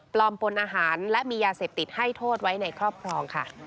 ปนอาหารและมียาเสพติดให้โทษไว้ในครอบครองค่ะ